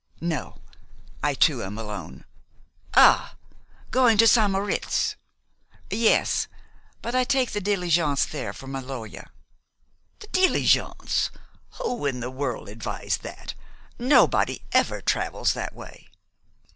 "No. I too am alone." "Ah! Going to St. Moritz?" "Yes; but I take the diligence there for Maloja." "The diligence! Who in the world advised that? Nobody ever travels that way."